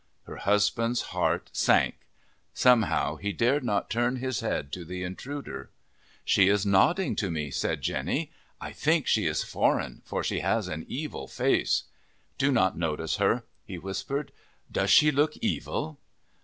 Her husband's heart sank. Somehow, he dared not turn his head to the intruder. "She is nodding to me," said Jenny. "I think she is foreign, for she has an evil face." "Do not notice her," he whispered. "Does she look evil?"